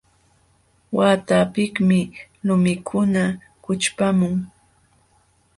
Waqtapiqmi lumikuna kućhpamun.